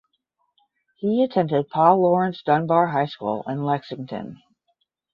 He attended Paul Laurence Dunbar High School in Lexington.